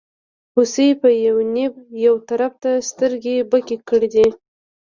هوسۍ په یوه نېب یوه طرف ته سترګې بکې کړې دي.